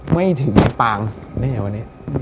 ไม่ถึงปางแน่วะเนี่ย